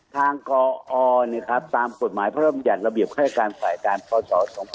ทางกอเนี่ยครับตามกฎหมายพรรมยักษ์ระเบียบค่ายการฝ่ายการพศ๒๕๕๓